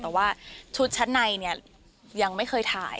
แต่ว่าชุดชั้นในเนี่ยยังไม่เคยถ่าย